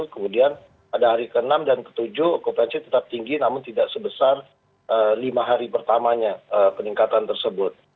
kemudian pada hari ke enam dan ketujuh okupansi tetap tinggi namun tidak sebesar lima hari pertamanya peningkatan tersebut